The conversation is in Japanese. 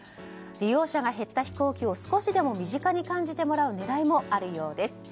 利用者が減ったことを少しでも身近に感じてもらう狙いもあるようです。